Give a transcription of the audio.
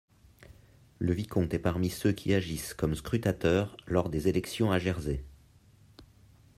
Le vicomte est parmi ceux qui agissent comme scrutateur lors des élections à Jersey.